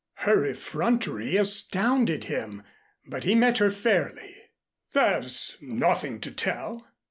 Her effrontery astounded him, but he met her fairly. "There's nothing to tell.